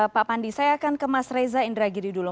pak pandi saya akan ke mas reza indragiri dulu